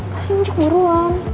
kasih muncul ke ruang